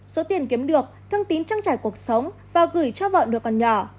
số tiền kiếm được thương tín trăng trải cuộc sống và gửi cho vợ đứa con nhỏ